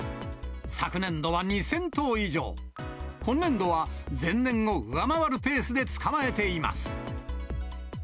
昨年度は２０００頭以上、今年度は前年を上回るペースで捕まえています。